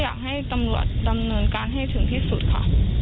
อยากให้ตำรวจดำเนินการให้ถึงที่สุดค่ะ